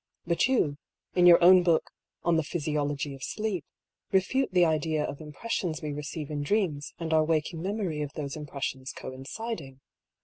But you, in your own book On the Physiology of Sleep^ refute the idea of impressions we receive in dreams and our waking memory of those impressions coinciding.